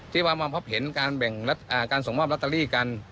ที่ว่ามาพบเห็นการส่งมอบลอตเตอรี่กัน